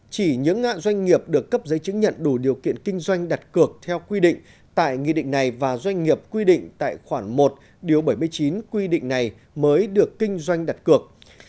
chỉ những doanh nghiệp được cấp giấy chứng nhận đủ điều kiện kinh doanh đặt cược theo quy định tại nghị định này và doanh nghiệp quy định tại khoản một điều bảy mươi chín quy định này mới được kinh doanh đặt cược